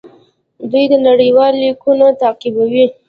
دوی نړیوال لیګونه تعقیبوي.